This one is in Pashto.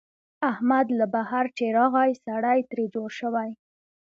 احمد له بهر چې راغی، سړی ترې جوړ شوی.